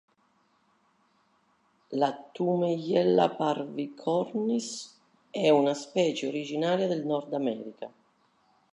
La "Toumeyella parvicornis" è una specie originaria del Nord America.